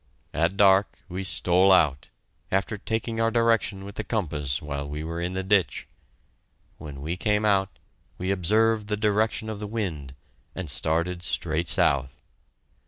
At dark we stole out, after taking our direction with the compass while we were in the ditch. When we came out, we observed the direction of the wind, and started straight south.